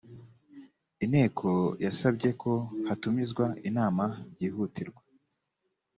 inteko yasabye ko hatumizwa inama byihutirwa